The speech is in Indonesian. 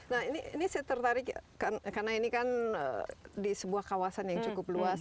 nah ini saya tertarik karena ini kan di sebuah kawasan yang cukup luas